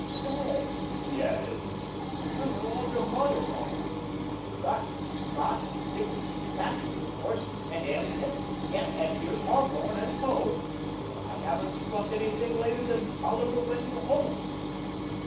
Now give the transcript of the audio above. "Say," he added, "where are all your modern novels? You've got Scott and Dickens and Thackeray, of course, and Eliot yes, and here's Hawthorne and Poe. But I haven't struck anything later than Oliver Wendell Holmes."